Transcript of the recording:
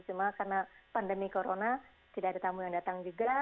cuma karena pandemi corona tidak ada tamu yang datang juga